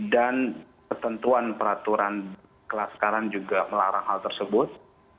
dan ketentuan peraturan kelaskaran juga melarang hal tersebut